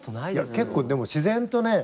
結構でも自然とね。